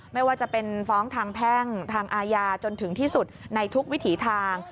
ไม่ว่าจะเป็นฟ้องทางแพ่งทางอาญาจนถึงที่สุดในทุกวิถีทาง